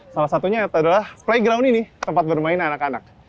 salah satunya adalah playground ini tempat bermain anak anak